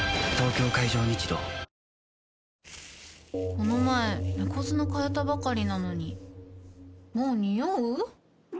この前猫砂替えたばかりなのにもうニオう？